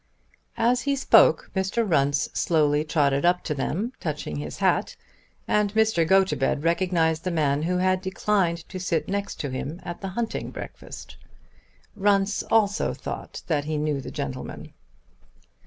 As he spoke Mr. Runce slowly trotted up to them touching his hat, and Mr. Gotobed recognized the man who had declined to sit next to him at the hunting breakfast. Runce also thought that he knew the gentleman.